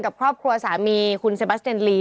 กับครอบครัวสามีคุณเซบัสเจนลี